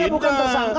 dia bukan tersangka